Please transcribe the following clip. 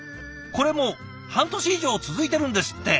これもう半年以上続いてるんですって。